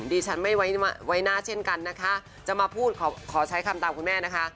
ดิฉันไม่ไว้หน้าเช่นกันนะคะจะมาพูดขอใช้คำตามคุณแม่นะคะ